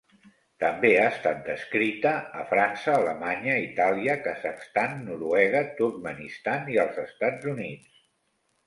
També ha estat descrita a França, Alemanya, Itàlia, Kazakhstan, Noruega, Turkmenistan i als Estats Units.